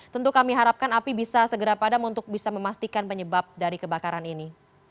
tentu kami harapkan api bisa segera padam untuk bisa memastikan penyebab dari kebakaran ini